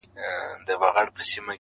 چي خبر یې خپل هوښیار وزیر په ځان کړ-